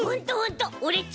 オレっち